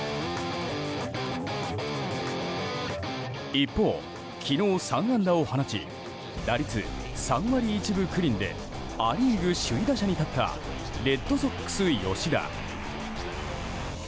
一方、昨日３安打を放ち打率３割１分９厘でア・リーグ首位打者に立ったレッドソックス、吉田。